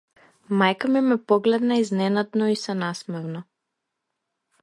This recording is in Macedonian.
Мајка ми ме погледна изненадено и се насмевна.